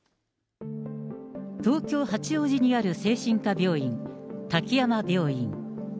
東京・八王子にある精神科病院、滝山病院。